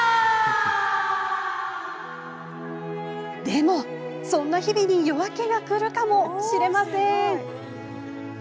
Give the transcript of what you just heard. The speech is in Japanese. でも、そんな日々に夜明けがくるかもしれません。